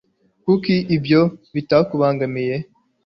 kuki ibyo bitakubangamiye